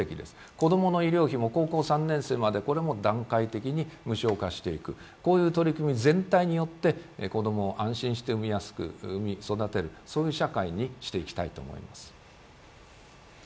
子供の医療費も高校３年生までこれも段階的に無償化していくという取り組み全体によって子供を安心して産みやすく、産み育てる社会にしていきたいと思います